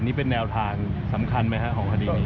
นี่เป็นแนวทางสำคัญไหมครับของคดีนี้